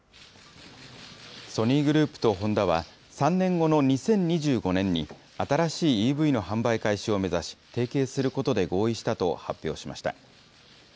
ソニーグループとホンダは、３年後の２０２５年に、新しいＥＶの販売開始を目指し、提携することで合意したと発表しました。